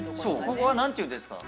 ここは何ていうんですか？